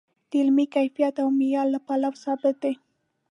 د علمي کیفیت او معیار له پلوه ثابت دی.